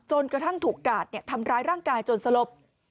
จนกระทั่งถูกกาศเนี่ยทำร้ายร่างกายจนสลบ